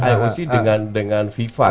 ioc dengan fifa